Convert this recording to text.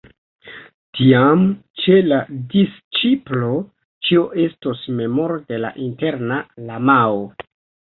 Tiam ĉe la disĉiplo ĉio estos memoro de la interna lamao.